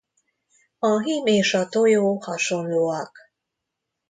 A hím és a tojó hasonlóak.